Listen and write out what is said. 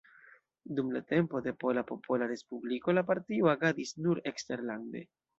Dum la tempo de Pola Popola Respubliko la partio agadis nur eksterlande.